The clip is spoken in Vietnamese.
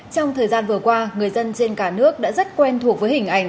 trong thời gian vừa qua người dân trên cả nước đã rất quen thuộc với hình ảnh